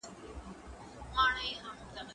زه مخکي نان خوړلی و!.